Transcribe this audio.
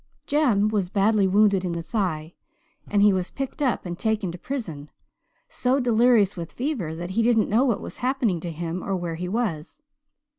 "Jem was badly wounded in the thigh and he was picked up and taken to prison, so delirious with fever that he didn't know what was happening to him or where he was.